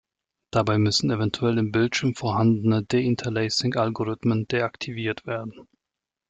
Dabei müssen eventuell im Bildschirm vorhandene Deinterlacing-Algorithmen deaktiviert werden.